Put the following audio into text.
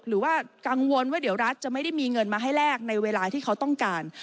หรือว่ากังวลว่าเดี๋ยวรัฐจะไม่ได้มีเงินมาให้แลกในเวลาที่เขาต้องการ